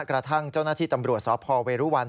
กระทั่งเจ้าหน้าที่ตำรวจสพเวรุวัน